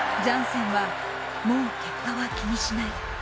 ジャンセンはもう結果は気にしない。